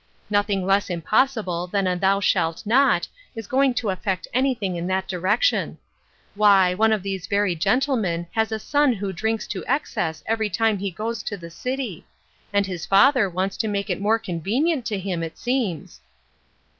Nothing less impossible than a ' thou shalt not ' is going to effect anything in that direction. Why, one of these very gentlemen has a son who drinks to excess every time he goes to the city ; and his father wants to make it more convenient for him, it seems."